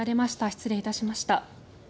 失礼いたしました。